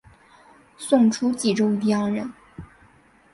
宋初蓟州渔阳人。